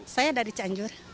saya dari cianjur